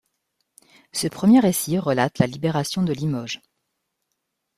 Ce premier récit relate la libération de Limoges.